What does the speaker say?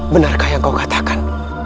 benarkah yang kau katakan